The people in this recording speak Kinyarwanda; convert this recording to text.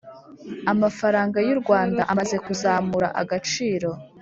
amafaranga yu Rwanda amaze kuzamura agaciro